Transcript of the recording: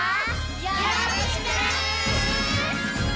よろしくね！